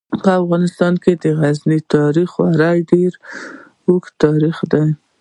په افغانستان کې د غزني تاریخ خورا ډیر اوږد تاریخ دی.